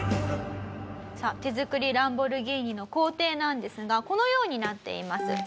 さあ手作りランボルギーニの工程なんですがこのようになっています。